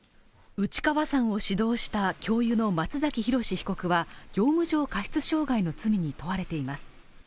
内川さんを指導した教諭の松崎浩史被告は業務上過失傷害の罪に問われています